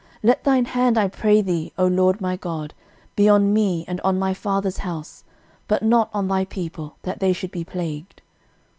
let thine hand, I pray thee, O LORD my God, be on me, and on my father's house; but not on thy people, that they should be plagued.